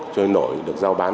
chơi nổi được giao bán